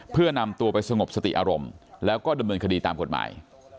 เพื่อนำตัวไปสงบสติอารมณ์แล้วก็ดำเนินคดีตามกฎหมาย